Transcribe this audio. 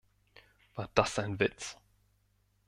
War das ein Witz?